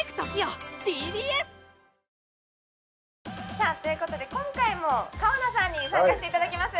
さあということで今回も川名さんに参加していただきます